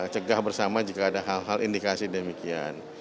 cegah bersama jika ada hal hal indikasi demikian